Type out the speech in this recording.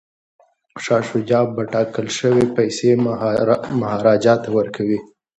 شاه شجاع به ټاکل شوې پیسې مهاراجا ته ورکوي.